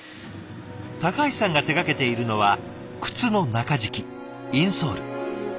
橋さんが手がけているのは靴の中敷きインソール。